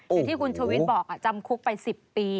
โอ้โฮอย่างที่คุณชวิตบอกจำคุกไป๑๐ปี